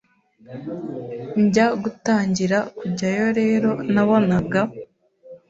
Njya gutangira kujyayo rero nabonaga